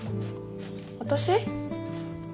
私？